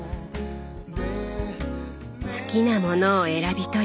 好きなものを選び取り。